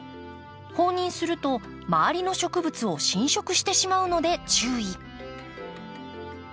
放任すると周りの植物を侵食してしまうので注意。